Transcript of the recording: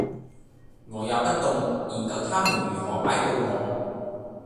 我也不動，研究他們如何擺佈我；